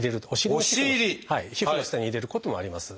皮膚の下に入れることもあります。